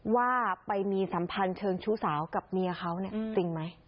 ว่าไปมีสัมพันธ์เชิงชู้สาวกับเมียเขาเนี่ยจริงไหม